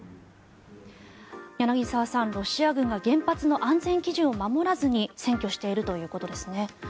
柳澤さん、ロシア軍が原発の安全基準を守らずに占拠しているということですね。